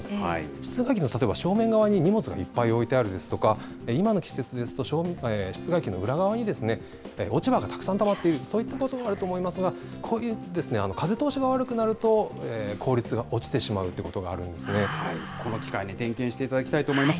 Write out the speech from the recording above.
室外機の、例えば正面側に荷物がいっぱい置いてあるですとか、今の季節ですと、室外機の裏側に落ち葉がたくさんたまっている、そういったことがあると思いますが、こういう、風通しが悪くなると、効率が落ちてしまうということがこの機会に点検していただきたいと思います。